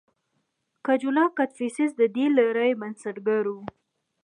کجولا کدفیسس د دې لړۍ بنسټګر و